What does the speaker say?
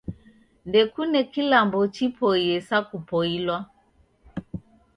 Ndekune kilambo chipoiye sa kupoilwa.